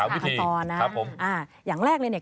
๓วิธีครับผมคำตอนนะอ่าอย่างแรกเลยนี่